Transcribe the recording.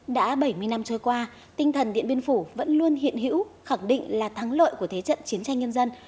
đã bảy mươi năm trôi qua tinh thần điện biên phủ vẫn luôn hiện hữu khẳng định là thắng lợi của thế trận chiến tranh nhân dân